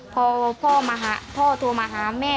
พอพ่อมาหาพ่อโทรมาหาแม่